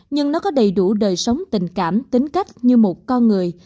nhưng nó có đầy đủ đời sống tình cảm tính cách như một con người